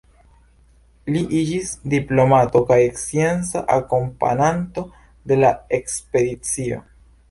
Li iĝis diplomato kaj scienca akompananto de la ekspedicio.